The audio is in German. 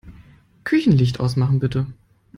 Küchenlicht ausmachen, bitte.